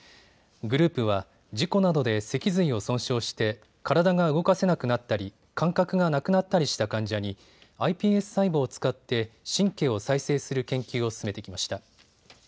グループは事故などで脊髄を損傷して体が動かせなくなったり、感覚がなくなったりした患者にｉＰＳ細胞を使って神経を再生する研究を進めてきました。